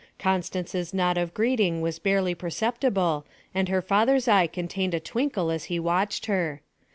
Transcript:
Constance's nod of greeting was barely perceptible, and her father's eye contained a twinkle as he watched her.